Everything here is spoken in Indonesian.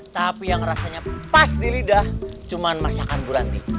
tapi yang rasanya pas di lidah cuma masakan buranti